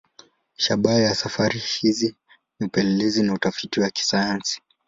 Shabaha ya safari hizi ni upelelezi na utafiti wa kisayansi.